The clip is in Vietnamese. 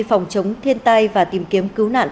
phòng chống thiên tai và tìm kiếm cứu nạn